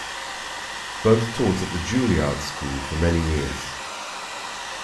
Both taught at the Juilliard School for many years.